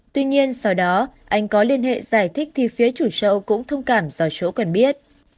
tuy nhiên sau đó anh có liên hệ giải thích thì phía chủ châu cũng thông cảm do chỗ quen biết